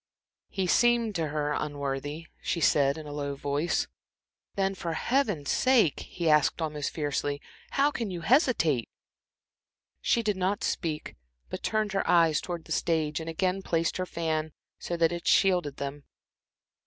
"He seemed to her unworthy," she said, in a low voice. "Then, for Heaven's sake," he asked, almost fiercely, "how can you hesitate?" She did not speak, but turned her eyes towards the stage and again placed her fan so that it shielded them.